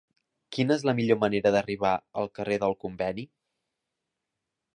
Quina és la millor manera d'arribar al carrer del Conveni?